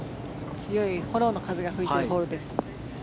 強いフォローの風が吹いているホールです。